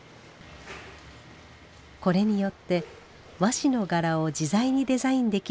これによって和紙の柄を自在にデザインできるようになりました。